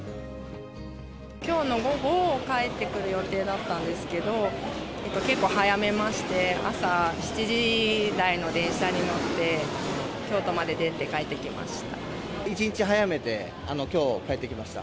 きょうの午後、帰ってくる予定だったんですけど、結構、早めまして、朝７時台の電車に乗って、１日早めて、きょう、帰ってきました。